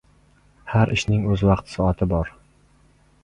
• Har ishning o‘z vaqt-soati bor.